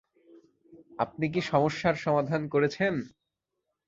আপনি কি সমস্যার সমাধান করেছেন?